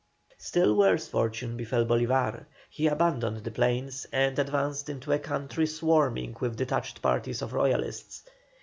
Still worse fortune befell Bolívar. He abandoned the plains and advanced into a country swarming with detached parties of Royalists.